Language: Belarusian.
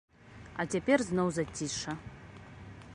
А цяпер зноў зацішша.